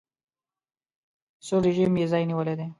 سور رژیم یې ځای نیولی دی.